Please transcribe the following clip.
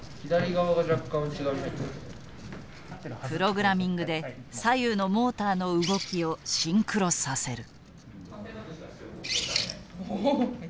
プログラミングで左右のモーターの動きをシンクロさせる。